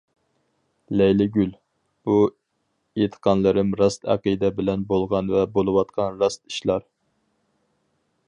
لەيلىگۈل، بۇ ئېيتقانلىرىم راست ئەقىدە بىلەن بولغان ۋە بولۇۋاتقان راست ئىشلار.